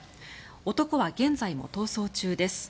男は現在も逃走中です。